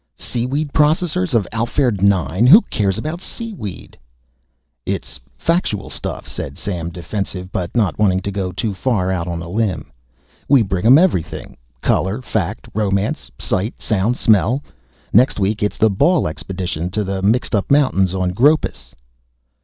"Seaweed Processors of Alphard IX who cares about seaweed?" "It's factual stuff," said Sam, defensive but not wanting to go too far out on a limb. "We bring 'em everything color, fact, romance, sight, sound, smell.... Next week, it's the Ball Expedition to the Mixtup Mountains on Gropus."